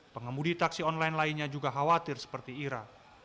pengemudi taksi online lainnya juga khawatir seperti ira